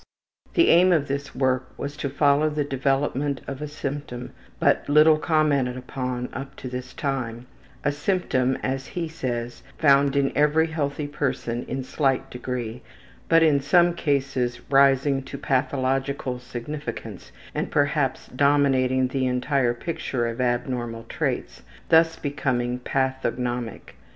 The aim of this work was to follow the development of a symptom but little commented upon up to this time, a symptom, as he says, found in every healthy person in slight degree, but in some cases rising to pathological significance and perhaps dominating the entire picture of abnormal traits thus becoming pathognomonic.